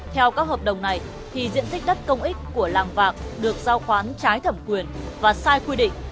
theo các hợp đồng này thì diện tích đất công ích của làng vạc được giao khoán trái thẩm quyền và sai quy định